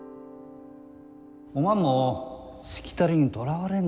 おまんもしきたりにとらわれんと。